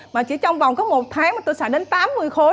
mà chỉ trong vòng có một tháng mà tôi xài đến tám mươi khối